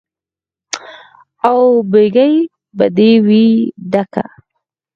او بګۍ به دې وي ډکه